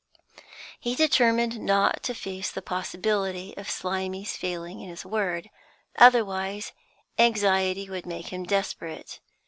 He determined not to face the possibility of Slimy's failing in his word; otherwise, anxiety would make him desperate.